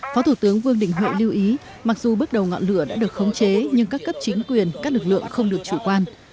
phó thủ tướng vương đình huệ lưu ý mặc dù bước đầu ngọn lửa đã được khống chế nhưng các cấp chính quyền các lực lượng không được chủ quan